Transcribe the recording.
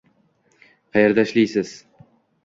Qayerda ishlaysiz?